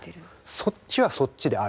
そっちはそっちである。